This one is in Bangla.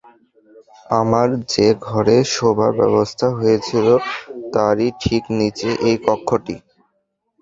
আমার যে ঘরে শোবার ব্যবস্থা হয়েছিল তারই ঠিক নিচে এই কক্ষটি।